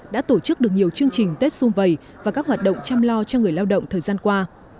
đã tổ chức được nhiều chương trình tết xung vầy và các hoạt động chăm lo cho người lao động thời gian qua